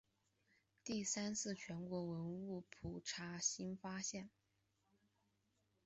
第三次全国文物普查新发现。